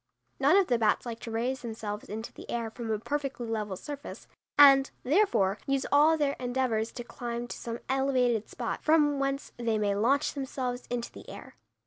None of the bats like to raise themselves into the air from a perfectly level surface, and, therefore, use all their endeavors to climb to some elevated spot, from whence they may launch themselves into the air.